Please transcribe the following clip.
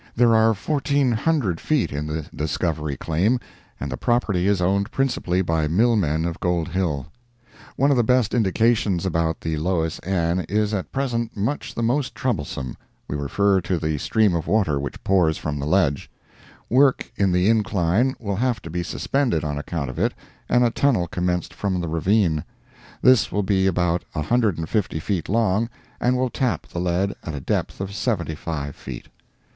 There are fourteen hundred feet in the discovery claim, and the property is owned principally by mill men of Gold Hill. One of the best indications about the Lois Ann is at present much the most troublesome—we refer to the stream of water which pours from the ledge; work in the incline will have to be suspended on account of it and a tunnel commenced from the ravine—this will be about a hundred and fifty feet long, and will tap the lead at a depth of seventy five feet.